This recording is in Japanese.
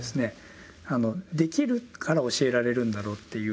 できるから教えられるんだろうっていう。